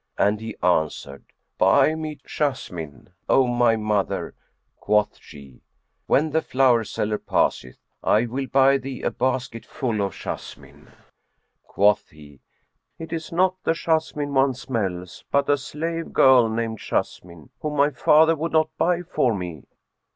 And he answered, "Buy me Jessamine, O my mother." Quoth she, "When the flower seller passeth I will buy thee a basketful of jessamine." Quoth he, "It is not the jessamine one smells, but a slave girl named Jessamine, whom my father would not buy for me."